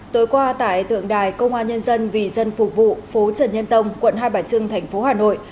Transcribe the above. tối qua tại tượng đài công an nhân dân vì dân phục vụ phố trần nhân tông quận hai bà trưng thành phố hà nội